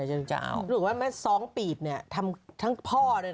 ถูกหรือไม่ซ้องปทำทั้งพ่อ